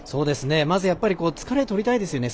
まず疲れをとりたいですよね。